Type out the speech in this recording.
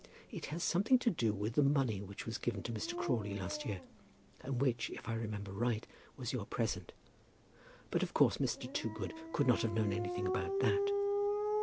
It has something to do with the money which was given to Mr. Crawley last year, and which, if I remember right, was your present. But of course Mr. Toogood could not have known anything about that.